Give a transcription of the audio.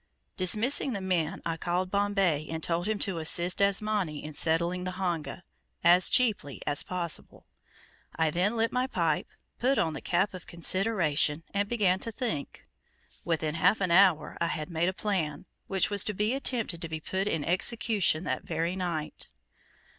Dismissing the men, I called Bombay, and told him to assist Asmani in settling the honga "as cheaply as possible." I then lit my pipe, put on the cap of consideration, and began to think. Within half an hour, I had made a plan, which was to be attempted to be put in execution that very night.